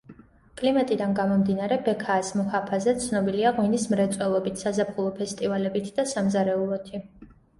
კლიმატიდან გამომდინარე ბექაას მუჰაფაზა ცნობილია ღვინის მრეწველობით, საზაფხულო ფესტივალებით და სამზარეულოთი.